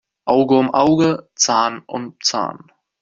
Auge um Auge, Zahn um Zahn.